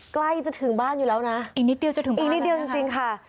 ใกล้จะถึงบ้านอยู่แล้วนะอีกนิดเดียวจะถึงอีกนิดเดียวจริงค่ะ